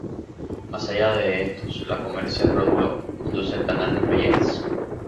Más allá de estos, la Commercial Road Lock conduce al Canal de Regent's.